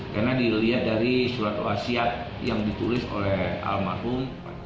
karena dilihat dari surat wasiat yang ditulis oleh almarhum